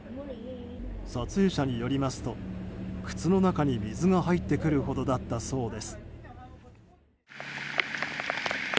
撮影者によりますと靴の中に水が入ってくるほどだったそうです。